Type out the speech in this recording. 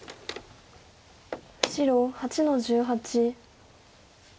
白８の十八。